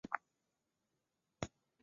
秤钩风为防己科秤钩风属下的一个种。